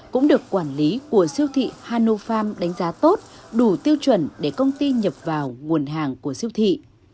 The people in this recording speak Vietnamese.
cũng được quản lý của siêu thị hano farm đánh giá tốt đủ tiêu chuẩn để công ty nhập vào nguồn hàng của siêu thị